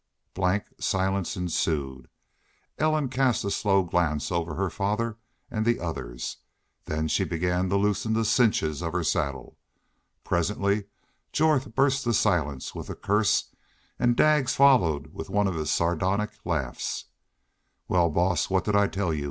Blank silence ensued. Ellen cast a slow glance over her father and the others, then she began to loosen the cinches of her saddle. Presently Jorth burst the silence with a curse, and Daggs followed with one of his sardonic laughs. "Wal, boss, what did I tell you?"